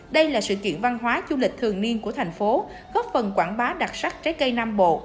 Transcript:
đây là sự kiện văn hóa du lịch thường niên của thành phố góp phần quảng bá đặc sắc trái cây nam bộ